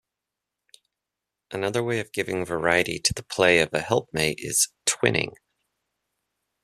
Another way of giving variety to the play of a helpmate is "twinning".